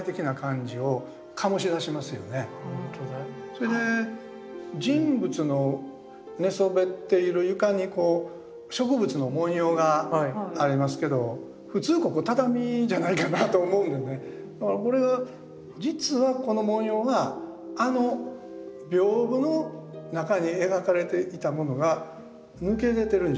それで人物の寝そべっている床に植物の文様がありますけど普通ここ畳じゃないかなぁと思うので実はこの文様があの屏風の中に描かれていたものが抜け出てるんじゃないか。